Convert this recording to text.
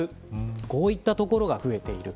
こういったところが増えている。